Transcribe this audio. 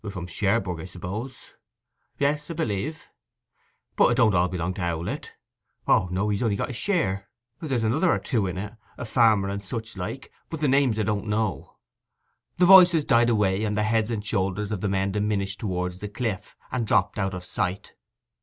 'From Cherbourg, I suppose?' 'Yes, 'a b'lieve.' 'But it don't all belong to Owlett?' 'O no. He's only got a share. There's another or two in it—a farmer and such like, but the names I don't know.' The voices died away, and the heads and shoulders of the men diminished towards the cliff, and dropped out of sight.